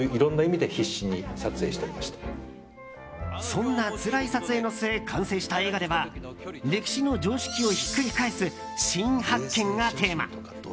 そんなつらい撮影の末完成した映画では歴史の常識をひっくり返す新発見がテーマ。